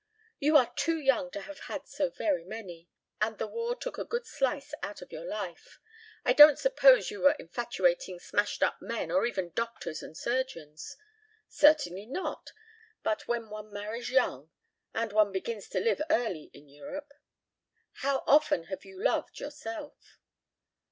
"You are too young to have had so very many. And the war took a good slice out of your life. I don't suppose you were infatuating smashed up men or even doctors and surgeons." "Certainly not. But, when one marries young and one begins to live early in Europe." "How often have you loved, yourself?"